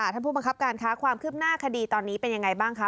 ผู้บังคับการคะความคืบหน้าคดีตอนนี้เป็นยังไงบ้างคะ